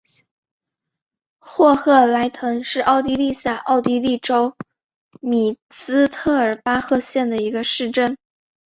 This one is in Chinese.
霍赫莱滕是奥地利下奥地利州米斯特尔巴赫县的一个市镇。